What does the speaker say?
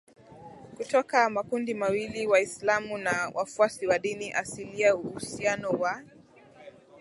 kutoka makundi mawili Waislamu na wafuasi wa dini asilia Uhusiano wa